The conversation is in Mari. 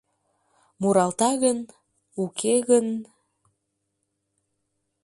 Муралта гын, уке гын